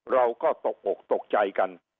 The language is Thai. เราก็ตกอกตกใจกัน